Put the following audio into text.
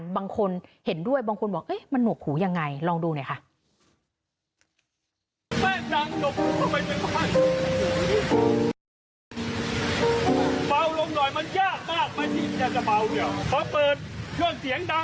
ฝั่งไทยต้องเคยเปิดแรงบาลเครียมของนักที่สูจน์แรงแห่งฉัน